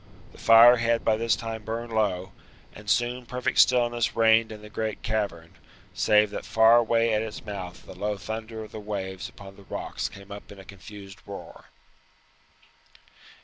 The fire had by this time burned low, and soon perfect stillness reigned in the great cavern, save that far away at its mouth the low thunder of the waves upon the rocks came up in a confused roar.